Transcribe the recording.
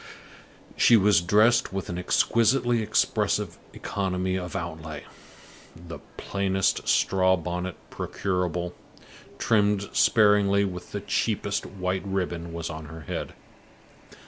She was dressed with an exquisitely expressive economy of outlay. The plainest straw bonnet procurable, trimmed sparingly with the cheapest white ribbon, was on her head.